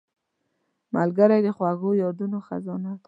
ملګری د خوږو یادونو خزانه ده